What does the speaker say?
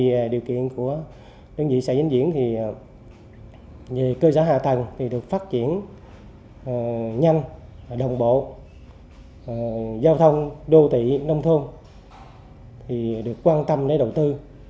vì điều kiện của đơn vị xã vĩnh diễn thì về cơ sở hạ tầng thì được phát triển nhanh đồng bộ giao thông đô thị nông thôn thì được quan tâm để đầu tư